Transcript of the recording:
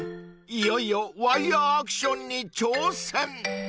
いよいよワイヤーアクションに挑戦］